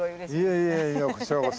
いやいやいやこちらこそ。